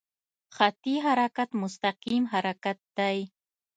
خطي حرکت مستقیم حرکت دی.